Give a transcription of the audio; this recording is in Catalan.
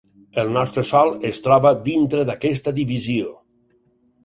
El nostre Sol es troba dintre d'aquesta divisió.